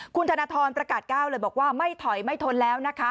คุณธนทรประกาศก้าวเลยบอกว่าไม่ถอยไม่ทนแล้วนะคะ